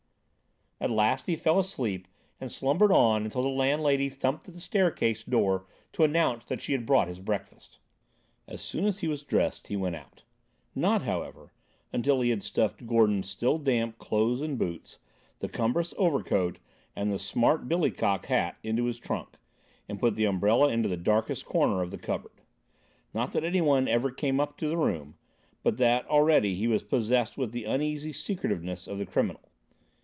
At last he fell asleep and slumbered on until the landlady thumped at the staircase door to announce that she had brought his breakfast. As soon as he was dressed he went out. Not, however, until he had stuffed Gordon's still damp clothes and boots, the cumbrous overcoat and the smart billy cock hat into his trunk, and put the umbrella into the darkest corner of the cupboard. Not that anyone ever came up to the room, but that, already, he was possessed with the uneasy secretiveness of the criminal.